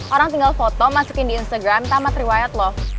orang tinggal foto masukin di instagram tamat riwayat loh